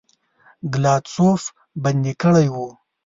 ګلادسوف بندي کړی وو.